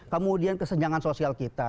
kemudian kesenjangan sosial kita